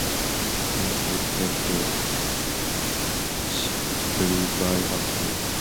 It is tested clinically by asking the patient to look medially.